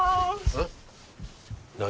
えっ？